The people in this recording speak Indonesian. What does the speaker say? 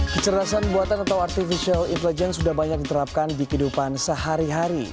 kecerdasan buatan atau artificial intelligence sudah banyak diterapkan di kehidupan sehari hari